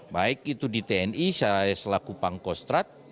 baik itu di tni saya selaku pangkostrat